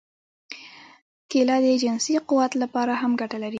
کېله د جنسي قوت لپاره هم ګټه لري.